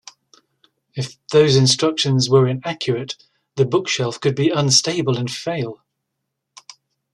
If those instructions were inaccurate, the bookshelf could be unstable and fail.